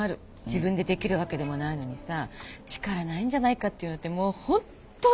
自分でできるわけでもないのにさ力ないんじゃないかって言うのってもうホント落ち込むよね。